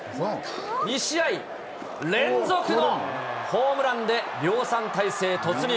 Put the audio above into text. ２試合連続のホームランで、量産体制突入。